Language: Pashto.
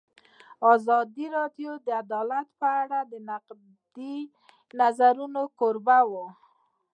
ازادي راډیو د عدالت په اړه د نقدي نظرونو کوربه وه.